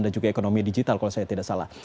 dan juga ekonomi digital kalau saya tidak salah